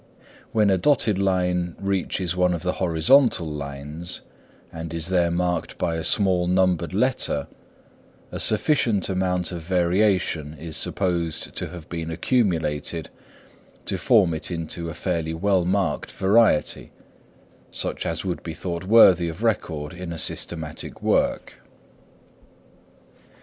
When a dotted line reaches one of the horizontal lines, and is there marked by a small numbered letter, a sufficient amount of variation is supposed to have been accumulated to form it into a fairly well marked variety, such as would be thought worthy of record in a systematic work.